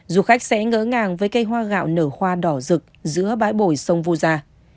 du khách sẽ ngỡ ngàng với cây hoa gạo nở hoa đỏ rực giữa bãi bồi sông vu gia